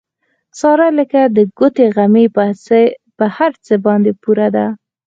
ساره لکه د ګوتې غمی په هر څه باندې پوره ده.